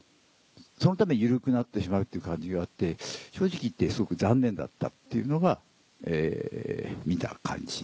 そのために緩くなってしまうっていう感じがあって正直言ってすごく残念だったっていうのが見た感じ。